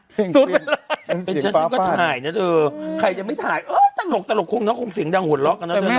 เป็นฉันซึ่งก็ถ่ายน่ะเถอะใครจะไม่ถ่ายเอ้อตลกตลกคงเนาะคงเสียงดังหวดล็อกกันเนาะเถอะเนาะ